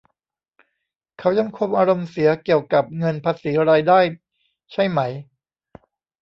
เขายังคงอารมณ์เสียเกี่ยวกับเงินภาษีรายได้ใช่ไหม